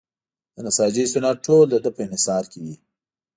د نساجۍ صنعت ټول د ده په انحصار کې وي.